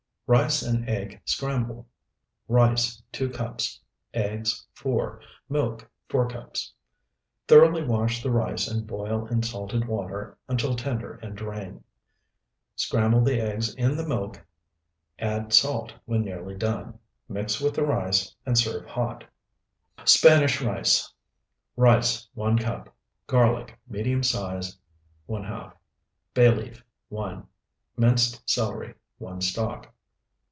RICE AND EGG SCRAMBLE Rice, 2 cups. Eggs, 4. Milk, 4 cups. Thoroughly wash the rice and boil in salted water until tender and drain. Scramble the eggs in the milk, add salt when nearly done, mix with the rice, and serve hot. SPANISH RICE Rice, 1 cup. Garlic, medium size, ½. Bay leaf, 1. Minced celery, 1 stalk.